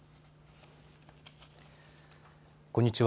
こんにちは。